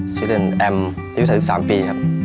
ชนิดหนึ่งแอมสถาคตัววิธี๓ปีครับ